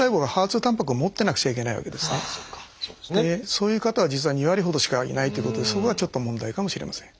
そういう方は実は２割ほどしかいないということでそこがちょっと問題かもしれません。